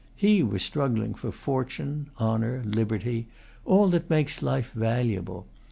He was struggling for fortune, honor, liberty, all that makes life valuable.